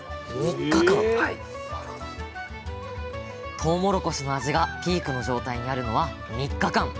とうもろこしの味がピークの状態にあるのは３日間。